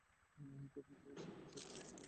তিনি নিজে ছিলেন ওই সরকারের কাজী।